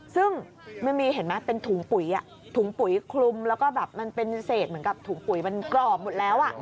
ซึ่งมันมีเห็นไหมเป็นถุงปุ๋ยถุงปุ๋ยคลุมแล้วก็แบบมันเป็นเศษเหมือนกับถุงปุ๋ยมันกรอบหมดแล้ว